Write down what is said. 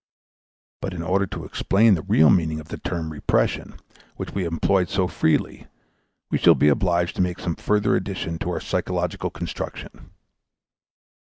But in order to explain the real meaning of the term repression, which we have employed so freely, we shall be obliged to make some further addition to our psychological construction.